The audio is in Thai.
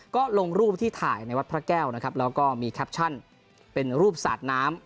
ก็ลงรูปที่ถ่ายในวัดพระแก้วนะครับแล้วก็มีแคปชั่นเป็นรูปสาดน้ำ